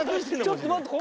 ちょっと待って。